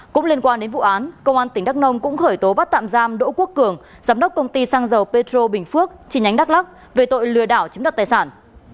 cũng liên quan đến vụ án công an tỉnh đắk nông cũng khởi tố bắt tạm giam đỗ quốc cường giám đốc công ty xăng dầu petro bình phước chi nhánh đắk lắc về tội lừa đảo chiếm đặt tài sản